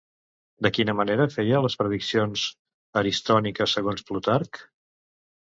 De quina manera feia les prediccions Aristònica segons Plutarc?